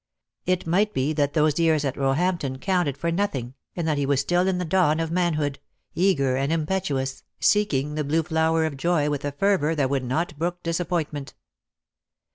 It might be that those years at Roehampton counted for no thing, and that he was still in the dawn of man hood, eager and impetuous, seeking the blue flower I 86 DEAD LOVE HAS CHAINS. of joy with a fervour that would not brook dis appointment.